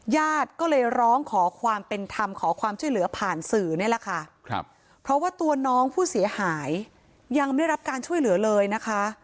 ญาติก็เลยร้องขอความเป็นธรรมขอความช่วยเหลือผ่านสื่อนี่แหละค่ะครับเพราะว่าตัวน้องผู้เสียหายยังไม่ได้รับการช่วยเหลือเลยนะคะ